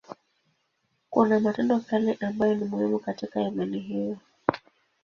Kuna matendo fulani ambayo ni muhimu katika imani hiyo.